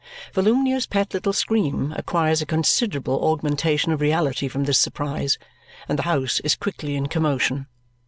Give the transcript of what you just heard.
Volumnia's pet little scream acquires a considerable augmentation of reality from this surprise, and the house is quickly in commotion.